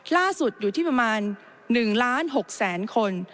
ล่าสุดอยู่ที่ประมาณ๑ล้าน๖แสนคน